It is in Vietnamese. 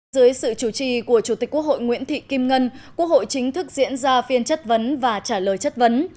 dưới sự chủ trì của chủ tịch quốc hội nguyễn thị kim ngân quốc hội chính thức diễn ra phiên chất vấn và trả lời chất vấn